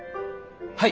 はい！